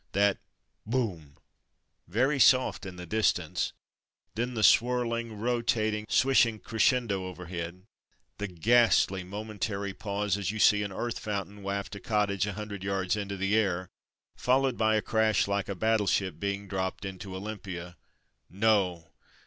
That "Boom'' (very soft in the distance), then the swirling, rotating, swishing crescendo overhead; the ghastly momentary pause, as you see an earth fountain waft a cottage a hundred yards into the air, followed by a crash like a battleship being dropped into Olympia — No!